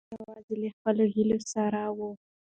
دی یوازې له خپلو هیلو سره و.